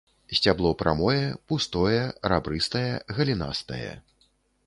Сцябло прамое, пустое, рабрыстае, галінастае.